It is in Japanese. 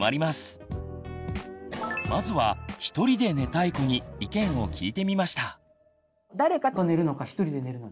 まずはひとりで寝たい子に意見を聞いてみました。